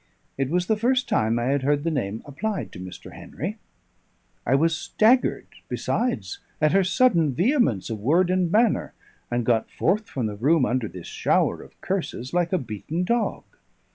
It was the first time I had heard the name applied to Mr. Henry; I was staggered besides at her sudden vehemence of word and manner, and got forth from the room, under this shower of curses, like a beaten dog.